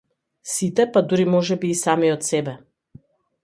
Сите па дури можеби и самиот себе.